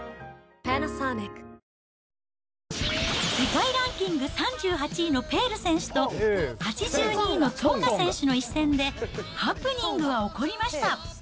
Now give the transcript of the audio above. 世界ランキング３８位のペール選手と、８２位のツォンガ選手の一戦で、ハプニングは起こりました。